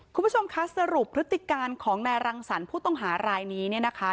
คุณผู้ชมคะสรุปพฤติการของนายรังสรรค์ผู้ต้องหารายนี้เนี่ยนะคะ